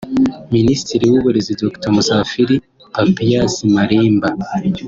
Minisitiri w’Uburezi Dr Musafiri Papias Malimba